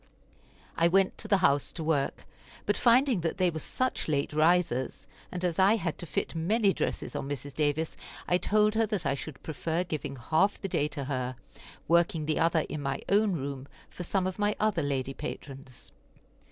I went to the house to work, but finding that they were such late risers, and as I had to fit many dresses on Mrs. Davis, I told her that I should prefer giving half the day to her, working the other in my own room for some of my other lady patrons.